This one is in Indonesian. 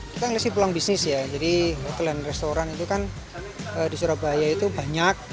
kita ngeliat sih peluang bisnis ya jadi restoran itu kan di surabaya itu banyak